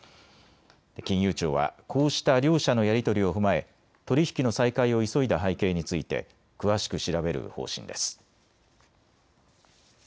金融庁はこうした両社のやり取りを踏まえ取り引きの再開を急いだ背景について詳しく調べる方針です。